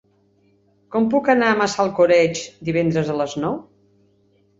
Com puc anar a Massalcoreig divendres a les nou?